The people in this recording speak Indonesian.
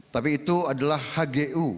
tapi itu adalah hgu